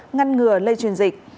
ngăn ngừa lây truyền dịch